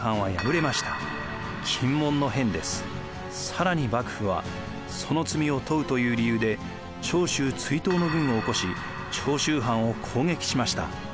更に幕府はその罪を問うという理由で長州追討の軍をおこし長州藩を攻撃しました。